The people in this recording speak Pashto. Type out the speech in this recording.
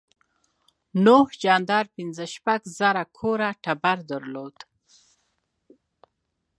نوح جاندار پنځه شپږ زره کوره ټبر درلود.